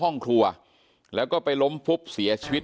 เป็นมีดปลายแหลมยาวประมาณ๑ฟุตนะฮะที่ใช้ก่อเหตุ